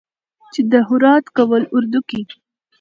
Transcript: چې د هرات قول اردو کې